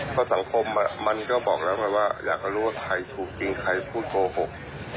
เพราะสังคมมันก็บอกแล้วไงว่าอยากรู้ว่าใครถูกจริงใครพูดโกหก